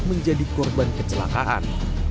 menjadi korban kecelakaan